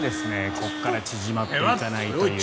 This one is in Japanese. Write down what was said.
ここから縮まっていかない。